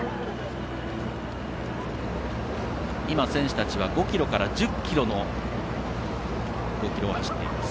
選手たちは５ｋｍから１０ｋｍを走っています。